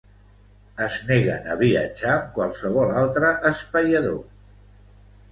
Es neguen a viatjar amb qualsevol altre espaiador.